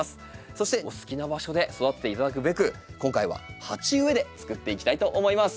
そしてお好きな場所で育てていただくべく今回は鉢植えでつくっていきたいと思います。